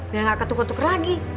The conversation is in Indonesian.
biar nggak ketuk ketuk lagi